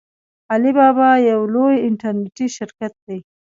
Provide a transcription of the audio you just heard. علي بابا یو لوی انټرنیټي شرکت دی.